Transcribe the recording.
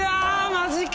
マジか。